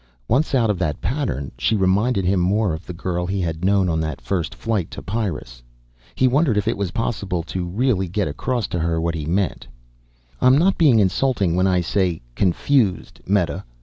Once out of that pattern she reminded him more of the girl he had known on that first flight to Pyrrus. He wondered if it was possible to really get across to her what he meant. "I'm not being insulting when I say 'confused,' Meta.